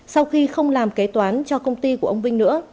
sau khi không làm kế toán cho công ty của ông vinh nữa